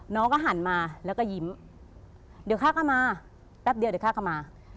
น้องก็หันมาแล้วก็ยิ้มเดี๋ยวข้าก็มาแป๊บเดียวเดี๋ยวข้าก็มา